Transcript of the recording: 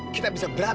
kita bisa berantem